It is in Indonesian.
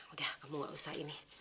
udah kamu gak usah ini